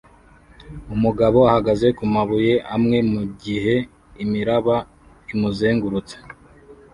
Umugabo ahagaze kumabuye amwe mugihe imiraba imuzengurutse